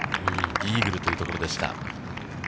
イーグルというところでした。